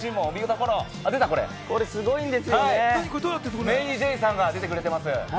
これすごいんですよ。ＭａｙＪ．さんが出てくれています。